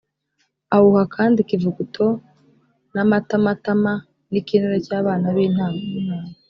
awuha kandi ikivuguto n’amatamatama, n’ikinure cy’abana b’intama.